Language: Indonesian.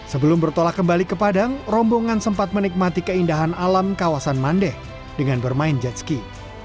sebelum bertolak kembali ke padang rombongan sempat menikmati keindahan alam kawasan mandeh dengan bermain jet ski